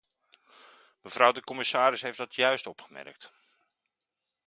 Mevrouw de commissaris heeft dat juist opgemerkt.